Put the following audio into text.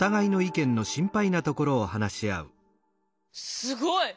すごい。